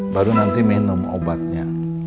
baru nanti minum obatnya